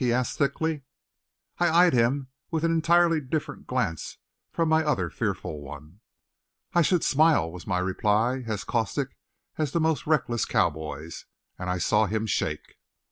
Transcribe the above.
he asked thickly. I eyed him with an entirely different glance from my other fearful one. "I should smile," was my reply, as caustic as the most reckless cowboy's, and I saw him shake.